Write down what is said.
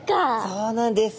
そうなんです。